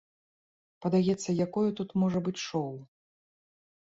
Падаецца, якое тут можа быць шоў?